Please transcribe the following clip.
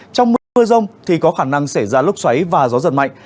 trong mưa mưa rông thì có khả năng xảy ra lốc xoáy và gió giật mạnh